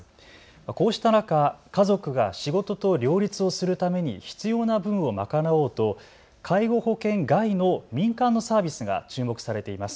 こうした中、家族が仕事と両立をするために必要な分を賄おうと介護保険外の民間のサービスが注目されています。